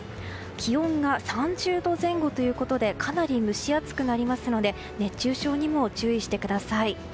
気温が３０度前後ということでかなり蒸し暑くなりますので熱中症にも注意してください。